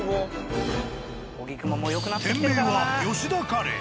店名は「吉田カレー」。